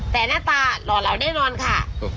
แต่หน้าตาหล่อเหลาแน่นอนค่ะ